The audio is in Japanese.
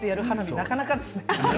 なかなかですね